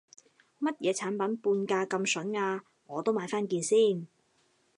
乜嘢產品半價咁筍啊，我都買返件先